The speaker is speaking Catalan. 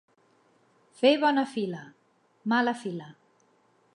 Fer bona fila, mala fila.